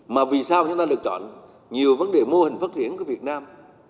mà vì sao chúng ta lựa chọn nhiều vấn đề mô hình phát triển của việt nam